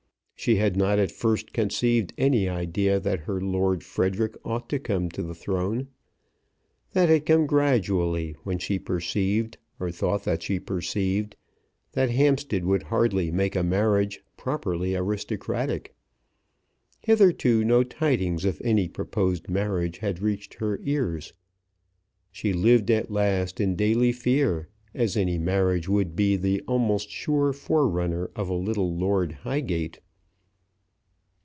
She had not at first conceived any idea that her Lord Frederic ought to come to the throne. That had come gradually when she perceived, or thought that she perceived, that Hampstead would hardly make a marriage properly aristocratic. Hitherto no tidings of any proposed marriage had reached her ears. She lived at last in daily fear, as any marriage would be the almost sure forerunner of a little Lord Highgate.